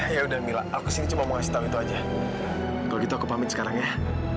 ya udah mila aku sih cuma mau ngasih tau itu aja kalau gitu aku pamit sekarang ya